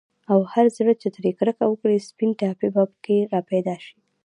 او هر زړه چي ترې كركه وكړي، سپين ټاپى په كي راپيدا شي